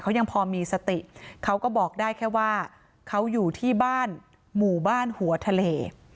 เขายังพอมีสติเขาก็บอกได้แค่ว่าเขาอยู่ที่บ้านหมู่บ้านหัวทะเล